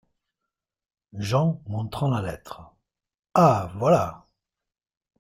Jean, montrant la lettre. — Ah ! voilà !…